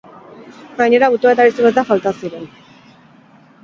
Gainera, autoa eta bizikleta falta ziren.